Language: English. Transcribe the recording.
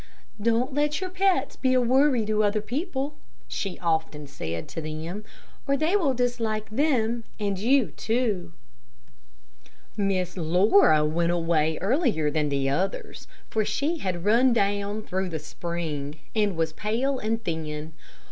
"Don't let your pets be a worry to other people," she often said to them, "or they will dislike them and you too." Miss Laura went away earlier than the others, for she had run down through the spring, and was pale and thin.